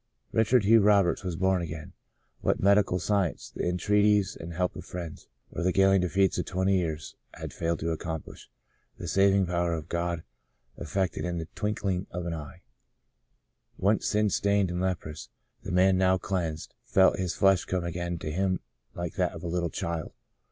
Richard Hugh Roberts was born again. What medical science, the entreaties and help of friends, or the galling defeats of twenty years had failed to accomplish, the saving power of God effected in the twin kling of an eye. Once sin stained and leprous, the man, now cleansed, felt his flesh come again to him like that of a little child.